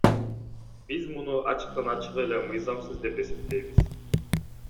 Биз муну ачыктан ачык эле мыйзамсыз деп эсептейбиз.